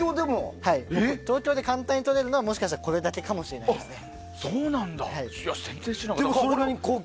東京で簡単にとれるのはもしかしたらこれだけかもしれないですね。